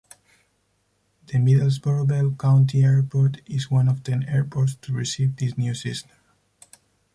The Middlesboro-Bell County Airport is one of ten airports to receive this new system.